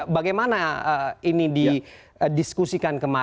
bagaimana ini didiskusikan kemarin